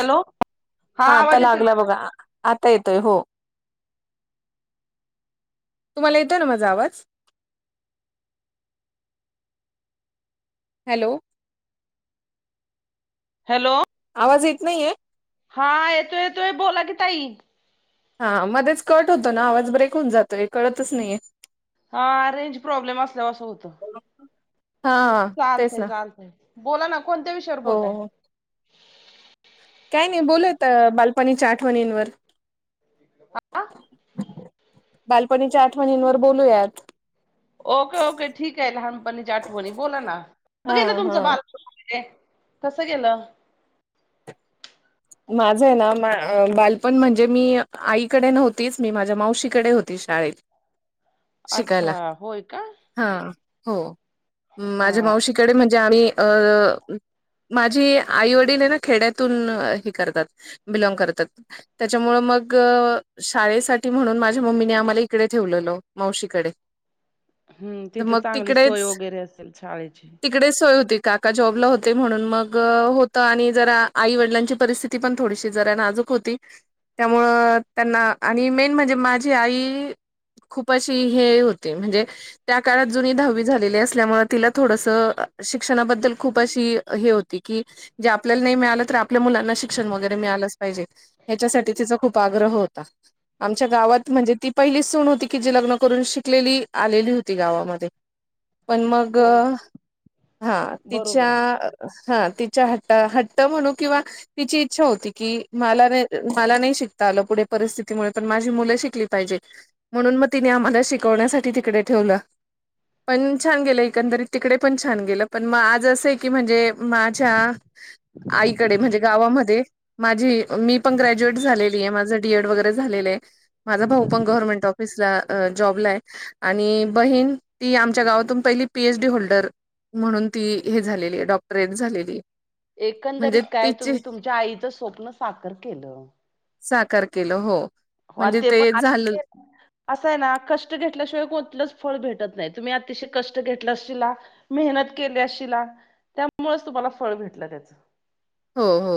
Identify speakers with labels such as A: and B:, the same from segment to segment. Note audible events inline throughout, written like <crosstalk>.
A: Hello
B: हा आता
A: आवाज येतोय
B: लागला बघा, आता येतोय हो. तुम्हाला येतोय ना माझा आवाज? हॅलो.
A: हॅलो.
B: आवाज येत नाहीये?
A: हा येतो येतोय बोला की ताई.
B: हा मध्येच कट होतो ना आवाज ब्रेक होऊन जातोय हे कळतच नाहीये.
A: हा रेंज प्रॉब्लेम असल्यावर अस होतं.
B: हा तेच
A: चालतंय
B: ना
A: चालतंय बोला ना, कोणत्या विषयावर बोलताय.
B: हो काय नाही बोलत बालपणीच्या आठवणींवर.
A: हा
B: बालपणीच्या आठवणींवर बोलूयात.
A: ओके ओके ठीक आहे, लहानपणीच्या आठवणी बोला ना
B: हा
A: बघेलं
B: हा
A: तुमचं बाल कस गेलं?
B: माझं आहे ना मा बालपण म्हणजे मी आईकडे नव्हतीच मी माझ्या मावशीकडे हो ते शाळेत. शिकायला
A: अच्छा होय का.
B: हा हो माझ्या
A: हा
B: माऊशी कडे म्हणजे आम्ही अ माझी आई वडील आहे ना खेड्यातून करतात बीलॉंग करतात. त्याच्यामुळं मग शाळेसाठी म्हणून माझ्या मम्मीने आम्हाला इकडे ठेवलेलं मावशीकडे.
A: हम्म,
B: तर
A: तिथ
B: मग
A: चांगली सोय वगैरे असेल शाळेची.
B: तिकडे सोय होती काका जॉबला होते, म्हणून मग होत आणि जरा आई वडिलांची परिस्थिती ती पण थोडीशी जरा नाजूक होती. त्यामुळं त्यांना आणि मेन म्हणजे माझी आई खूप अशी हे होते म्हणजे त्या काळात जुनी दहावी झालेली असल्यामुळं तिला थोडस शिक्षणाबद्दल खूप अशी हे होती की? ते आपल्याला नाही मिळालं तर आपल्या मुलांना शण वगैरे मिळालंच पाहिजे हच्यासाठी तिचा खूप आग्रह होता. आमच्या गावात म्हणजे ती पहिली सुण होती की जी लग्न करून शिकलेली आलेली होती गावामध्ये. पण मग
A: हो
B: हा तिच्या.
A: बरोबर आहे
B: हा तिच्या हट्टा हट्ट म्हणू किंवा तिची इच्छा होती की मला नाही मला नाही शिकता आलं पुढे परिस्थितीमुळे पण माझी मुलं शिकली पाहिजे. म्हणून मग तिने आम्हाला शिकवण्यासाठी तिकडे ठेवलं. पण छान गेलं एकंदरीत तिकडे पण छान गेलं पण मग आज असं की म्हणजे माझ्या आईकडे म्हणजे गावामध्ये माझी मी पण ग्रॅज्युएट झालेली आहे माझ डीएड वगैरे झालेलं आहे. माझा भाऊ पण गव्हर्मेंट ऑफिसला जॉबला आहे. आणि बहीण ती आमच्या गावातून पहिली पीएच डी होल्डर म्हणून ती हे झालेली डॉक्टरेट झालेली आहे. म्हणजे
A: एकंदरीत काय
B: तिची
A: तुम्ही तुमच्या आईचं स्वप्न साखर केलं.
B: साकार केलं हो.
A: हो
B: म्हणजे
A: तेप
B: ते झालं
A: <unintelligible> असं आहे ना कष्ट घेतल्याशिवाय कोणतलंच फळ भेटत नाही तुम्ही अतिशय कष्ट घेतलाशिला मेहनत केली अशिला त्यामुळेच तुम्हाला फळ भेटलं त्याच.
B: हो हो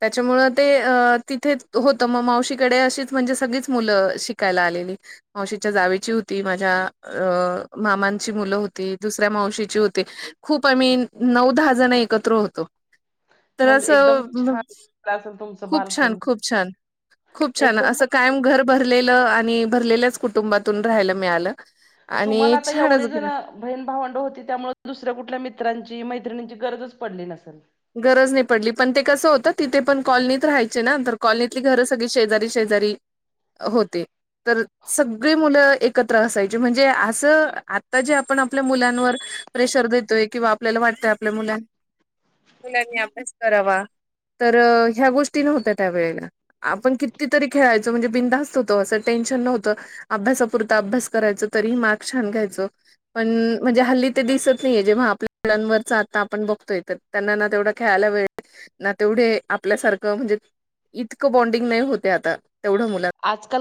B: त्याच्यामुळं ते अ तिथेच होत, मग मावशीकडे अशीच म्हणजे सगळीच मुलं शिकायला आलेली. मावशीच्या जावेची होती, माझ्या अ मामांची मुलं होती, दुसऱ्या मावशीची होती. खूप आम्ही नऊ -दहा जण एकत्र होतो. तर
A: मग एकदम
B: असं,
A: छान गेलं असेल तुमचं
B: खूप छान,
A: बालपण
B: खूप छान खूप छान असं
A: एकदमच
B: कायम घर भरलेलं आणि भरलेल्याच कुटुंबातून राहायला मिळालं.
A: तुम्हाला
B: आणि
A: आता
B: छानच
A: एवढी जण
B: गेलं.
A: बहीण -भावंड होती, त्यामुळे दुसऱ्या कुठल्या मित्रांची -मैत्रिंणीची गरजच पडली नसेल.
B: गरज नाही पडली, पण ते कसं होतं तिथे पण कॉलनीत राहायचे ना, तर कॉलनीतली घरं सगळी शेजारी शेजारी होते तर, सगळी मुलं एकत्र असायची, म्हणजे असं आता जे आपण आपल्या मुलांवर प्रेशर देतोय किंवा आपल्याला वाटतंय आपल्या मुला लांनी अभ्यास करावा, तर ह्या गोष्टी नव्हत्या त्यावेेळेला. आपण कितीतरी खेळायचो, म्हणजे बिनधास्त होतो असं टेन्शन नव्हतं. अभ्यासापुरता अभ्यास करायच तरीही मार्क छान घ्यायचो. पण म्हणजे हल्ली ते दिसत नाहीये जेव्हा आपल्यालांवरच आता आपण बघतोय तर त्यांना ना तेवढा खेळायला वेळेल, ना तेवढे आपल्यासारखं म्हणजे इतकं बॉन्डिंग नाही होते आता तेवढं मुलां
A: आजकाल